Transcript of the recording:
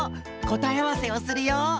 こたえあわせをするよ。